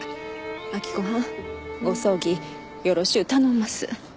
明子はん。ご葬儀よろしゅう頼んます。